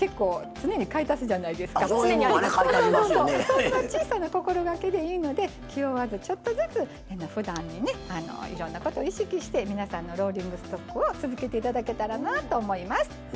そんな小さな心がけでいいので気負わずちょっとずつふだんにねいろんなことを意識して皆さんのローリングストックを続けていただけたらなと思います。